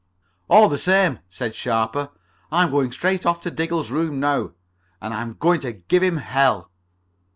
"All the same," said Sharper, "I'm going straight off to Diggle's room now, and I'm going to give him hell."